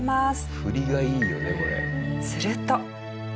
フリがいいよねこれ。